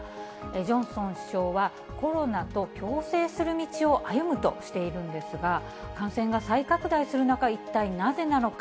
ジョンソン首相は、コロナと共生する道を歩むとしているんですが、感染が再拡大する中、一体なぜなのか。